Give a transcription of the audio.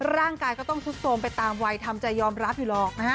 ร่างกายก็ต้องซุดโทรมไปตามวัยทำใจยอมรับอยู่หรอกนะฮะ